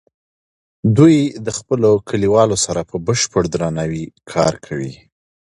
دوی د خپلو کلیوالو سره په بشپړ درناوي کار کوي.